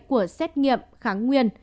của xét nghiệm kháng nguyên